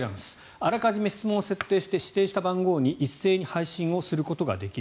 あらかじめ質問を設定して指定した番号に一斉に発信することができる。